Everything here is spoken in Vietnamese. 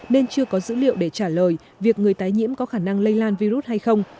nên chưa có dữ liệu để trả lời việc người tái nhiễm có khả năng lây lan virus hay không